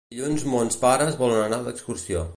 Dilluns mons pares volen anar d'excursió.